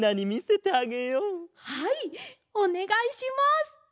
はいおねがいします！